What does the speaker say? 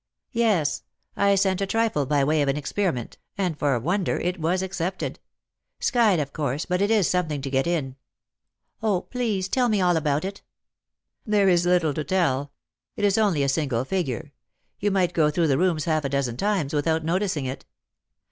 " Yes. I sent a trifle by way of an experiment ; and for a wonder it was accepted. Skyed, of course, but it is something to get in." " 0, please tell me all about it." " There is little to tell. It is only a single figure. You might go through the rooms half a dozen times without noticing it."